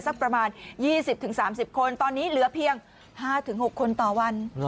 สักประมาณ๒๐๓๐คนตอนนี้เหลือเพียง๕๖คนต่อวัน